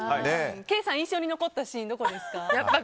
ケイさん、印象に残ったシーンどれですか？